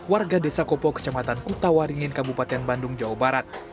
warga desa kopo kecamatan kutawaringin kabupaten bandung jawa barat